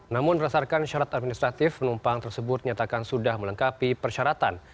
namun berdasarkan syarat administratif penumpang tersebut nyatakan sudah melengkapi persyaratan